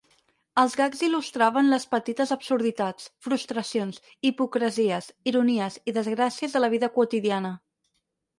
Els gags il·lustraven les petites absurditats, frustracions, hipocresies, ironies i desgràcies de la vida quotidiana.